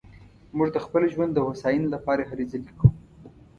موږ د خپل ژوند د هوساينې لپاره هلې ځلې کوو